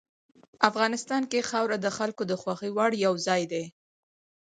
افغانستان کې خاوره د خلکو د خوښې وړ یو ځای دی.